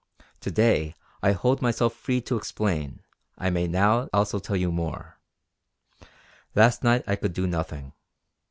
To day I hold myself free to explain I may now also tell you more. Last night I could do nothing.